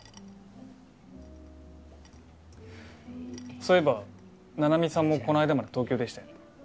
そういえば菜々美さんもこの間まで東京でしたよね。